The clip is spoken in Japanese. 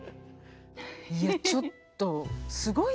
いやちょっとすごいでしょ。